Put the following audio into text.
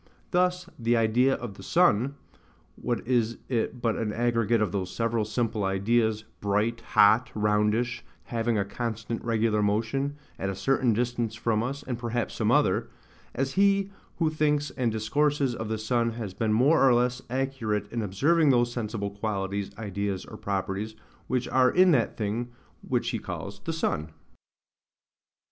Thus, the idea of the sun,—what is it but an aggregate of those several simple ideas, bright, hot, roundish, having a constant regular motion, at a certain distance from us, and perhaps some other: as he who thinks and discourses of the sun has been more or less accurate in observing those sensible qualities, ideas, or properties, which are in that thing which he calls the sun.